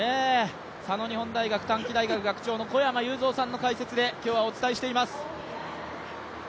佐野日本大学短期大学学長の小山裕三さんの解説で今日はお伝えしています。